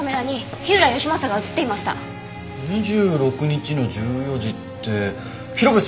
２６日の１４時って広辺